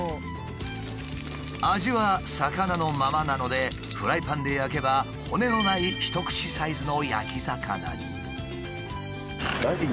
味は魚のままなのでフライパンで焼けば骨のない一口サイズの焼き魚に。